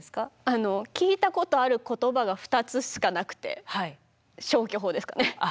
あの聞いたことある言葉が２つしかなくて消去法ですかね。